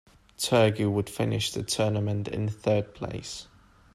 Turkey would finish the tournament in third place.